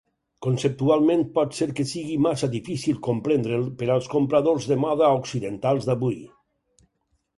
Conceptualment, pot ser que sigui massa difícil comprendre'l per als compradors de moda occidentals d'avui.